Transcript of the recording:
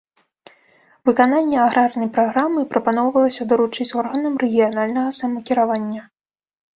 Выкананне аграрнай праграмы прапаноўвалася даручыць органам рэгіянальнага самакіравання.